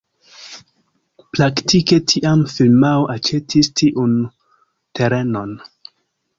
Praktike tiam firmao aĉetis tiun terenon.